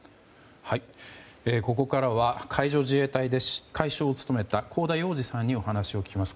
ここからは海上自衛隊で海将を務めた香田洋二さんにお話を聞きます。